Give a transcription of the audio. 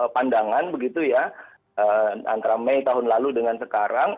pandangan begitu ya antara mei tahun lalu dengan sekarang